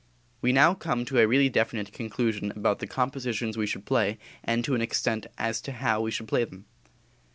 We now come to a really definite conclusion about the compositions we should play and to an extent as to how we should play them.